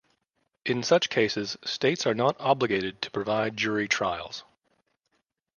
In such cases, states are not obligated to provide jury trials.